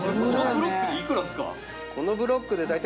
このブロックで。